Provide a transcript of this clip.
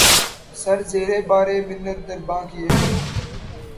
سر زیرِ بارِ منت درباں کیے ہوئے